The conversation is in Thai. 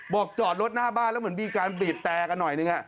จอดรถหน้าบ้านแล้วเหมือนมีการบีบแต่กันหน่อยนึง